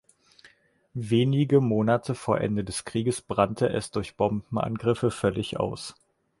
Wenige Monate vor Ende des Krieges brannte es durch Bombenangriffe völlig aus.